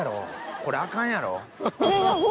これアカンやろ？